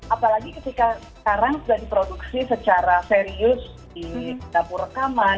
apalagi ketika sekarang sudah diproduksi secara serius di dapur rekaman